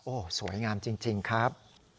โอ้โหสวยงามจริงครับ